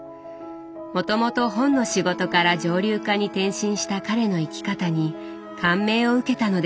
もともと本の仕事から蒸留家に転身した彼の生き方に感銘を受けたのです。